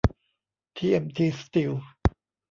ทีเอ็มที สตีล